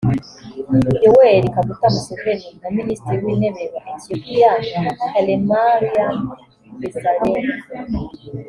Yoweli Kaguta Museveni na Minisitiri w’Intebe wa Ethiopia Hailemariam Desalegn